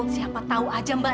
siapa tahu aja mbak